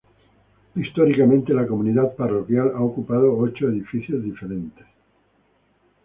Históricamente, la comunidad parroquial ha ocupado ocho edificios diferentes.